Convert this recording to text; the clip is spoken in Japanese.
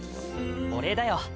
お礼だよ。